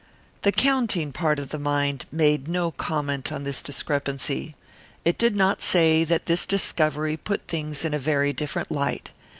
The counting part of the mind made no comment on this discrepancy; it did not say that this discovery put things in a very different light.